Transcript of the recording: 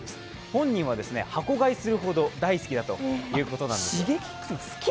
本人は箱買いするほど大好きだということです。